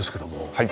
はい。